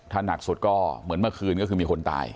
ถ้าหนักสุดก็เหมือนเมื่อคืนก็คือมีคนตาย